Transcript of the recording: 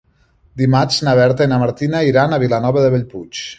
Dimarts na Berta i na Martina iran a Vilanova de Bellpuig.